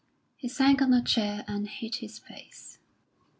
He sank on a chair and hid his face.